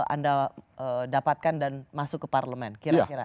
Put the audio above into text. anda dapatkan dan masuk ke parlemen kira kira